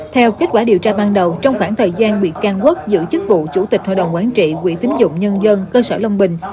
theo kết quả điều tra ban đầu trong khoảng thời gian bị can quốc giữ chức vụ chủ tịch hội đồng quán trị quỹ tính dụng nhân dân cơ sở long bình